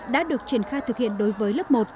đã được triển khai thực hiện đối với lớp một